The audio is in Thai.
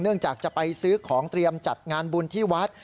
จากจะไปซื้อของเตรียมจัดงานบุญที่วัด